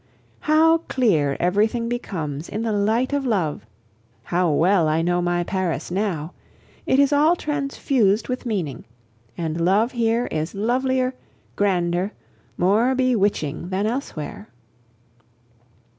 How clear everything becomes in the light of love! How well I know my Paris now! It is all transfused with meaning. And love here is lovelier, grander, more bewitching than elsewhere.